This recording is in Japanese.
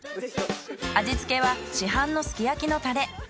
味付けは市販のすき焼きのたれ。